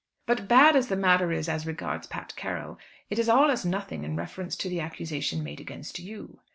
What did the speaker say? "But bad as the matter is as regards Pat Carroll, it is all as nothing in reference to the accusation made against you."